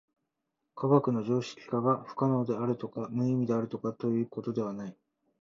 科学の常識化が不可能であるとか無意味であるとかということではない。